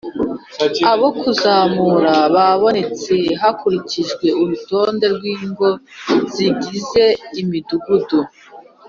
abo kuzamura babonetse hakurikijwe urutonde rw ingo zigize imidugudu